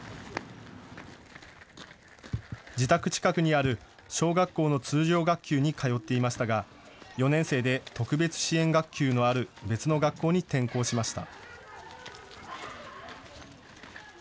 自宅近くにある小学校の通常学級に通っていましたが４年生で特別支援学級のある別の学校に転校しました。